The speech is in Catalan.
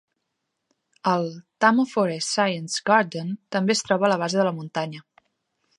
El Tama Forest Science Garden també es troba a la base de la muntanya.